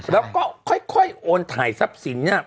แล้วก็ค่อยโอนถ่ายทรัพย์สินเนี่ย